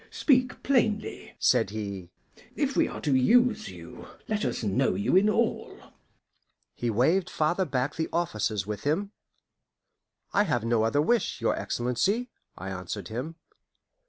"Speak plainly," said he. "If we are to use you, let us know you in all." He waved farther back the officers with him. "I have no other wish, your Excellency," I answered him.